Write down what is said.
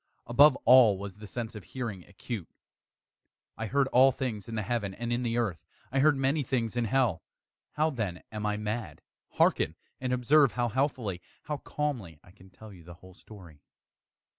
Above all was the sense of hearing acute. I heard all things in the heaven and in the earth. I heard many things in hell. How, then, am I mad? Hearken! and observe how healthily how calmly I can tell you the whole story.